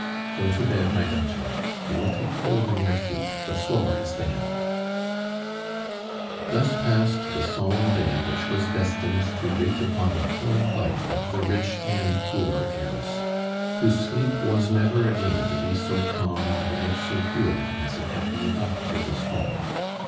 "Go to bed, my daughter; you will take cold in your feet: the floor is damp." Thus passed the solemn day which was destined to weight upon the whole life of the rich and poor heiress, whose sleep was never again to be so calm, nor yet so pure, as it had been up to this moment.